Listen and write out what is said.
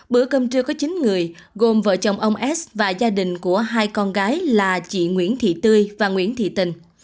bữa cơm trưa có chín người gồm vợ chồng ông s và gia đình của hai con gái là chị nguyễn thị tươi và nguyễn thị tình